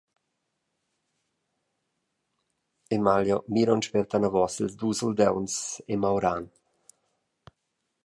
Emalio mira aunc spert anavos sils dus uldauns e Mauran.